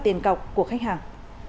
tiền cọc của khách hàng